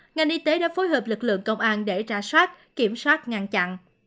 ngành y tế đã phối hợp lực lượng công an để trả soát kiểm soát ngăn chặn